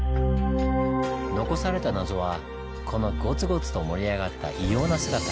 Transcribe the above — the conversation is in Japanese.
残された謎はこのゴツゴツと盛り上がった異様な姿。